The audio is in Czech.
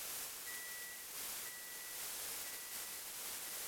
Redaktoři díky svým článkům určují tvar celého média a získávají nové kontakty.